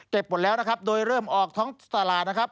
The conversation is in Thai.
หมดแล้วนะครับโดยเริ่มออกท้องตลาดนะครับ